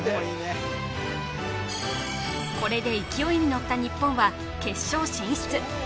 これで勢いに乗った日本は決勝進出